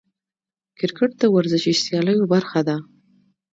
کرکټ د ورزشي سیالیو برخه ده.